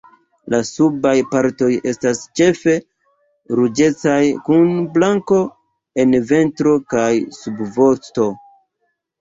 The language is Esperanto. La subaj partoj estas ĉefe ruĝecaj kun blanko en ventro kaj subvosto.